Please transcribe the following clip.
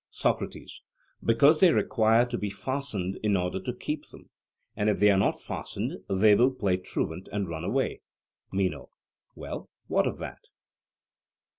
SOCRATES: Because they require to be fastened in order to keep them, and if they are not fastened they will play truant and run away. MENO: Well, what of that?